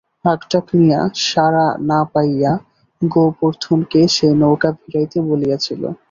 হাকডাক দিয়া সাড়া না পাইয়া গোবর্ধনকে সে নৌকা ভিড়াইতে বলিয়াছিল।